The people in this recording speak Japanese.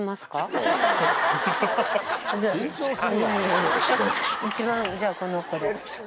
いやいや一番じゃあこの子で。